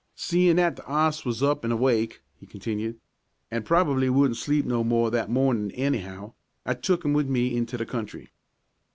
"Seein' that the 'oss was up an' awake," he continued, "an' probably wouldn't sleep no more that mornin' anyhow, I took 'im with me into the country."